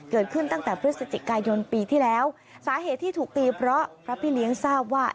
เกิดขึ้นตั้งแต่พฤศจิกายนปีที่แล้วสาเหตุที่ถูกตีเพราะพระพี่เลี้ยงทราบว่า